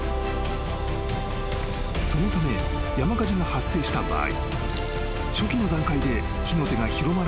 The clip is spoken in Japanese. ［そのため山火事が発生した場合］